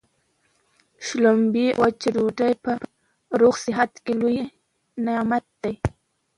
شلومبې او وچه ډوډۍ په روغ صحت کي لوی نعمت دی.